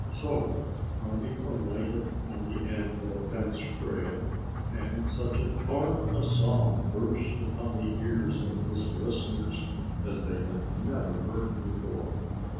So Bobby alighted on the end of a fence rail and such a torrent of song burst upon the ears of his listeners as they had never heard before.